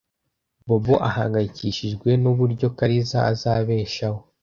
Bobo ahangayikishijwe nuburyo Kariza azabeshaho.